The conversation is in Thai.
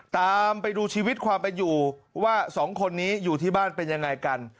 ตามไปดูชีวิตความเป็นอยู่ว่าสองคนนี้อยู่ที่บ้านเป็นยังไงกัน